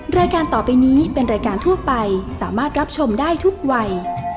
รายการต่อไปนี้เป็นรายการทั่วไปสามารถรับชมได้ทุกวัย